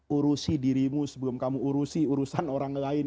urusi dirimu sebelum kamu urusi urusan orang lain